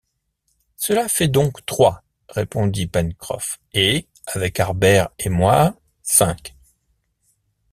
Cela fait donc trois, répondit Pencroff, et, avec Harbert et moi, cinq.